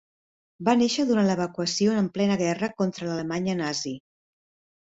Va néixer durant l'evacuació en plena guerra contra l'Alemanya nazi.